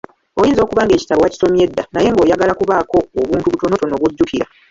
Oyinza okuba ng'ekitabo wakisomye dda naye ng'oyagala kubaako obuntu butonotono bw'ojjukira